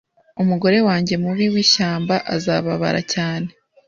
Umugore wanjye mubi w'ishyamba azababara cyane